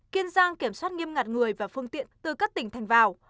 kiên giang kiểm soát nghiêm ngặt người và phương tiện từ các tỉnh thành vào